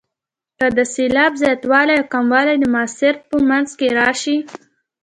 که د سېلاب زیاتوالی او کموالی د مصرع په منځ کې راشي.